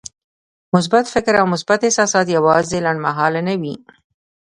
مثبت فکر او مثبت احساسات يوازې لنډمهاله نه وي.